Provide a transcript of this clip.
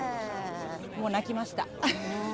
もう泣きました。